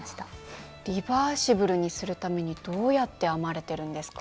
リバーシブルにするためにどうやって編まれてるんですか？